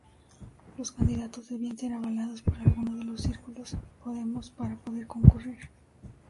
Los candidatos debían ser avalados por alguno de los Círculos Podemos para poder concurrir.